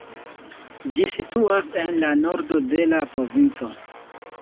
Ĝi situas en la nordo de la provinco.